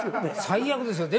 最悪ですよ。